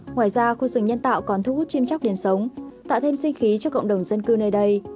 ngoài ra khu rừng nhân tạo còn thu hút chim chóc đến sống tạo thêm sinh khí cho cộng đồng dân cư nơi đây